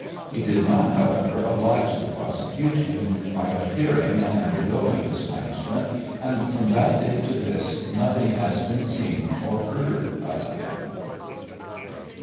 He did not, however, oblige the prosecution by appearing and undergoing his punishment, and from that day to this nothing has been seen or heard of him.